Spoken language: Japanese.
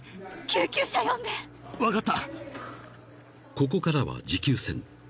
［ここからは持久戦］